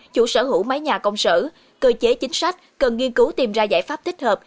chủ sở hữu máy nhà công sở cơ chế chính sách cần nghiên cứu tìm ra giải pháp thích hợp